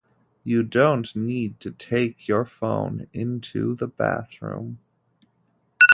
You don’t need to take your phone into the bathroom.